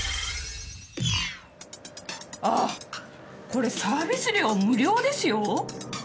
これサービス料無料ですよ。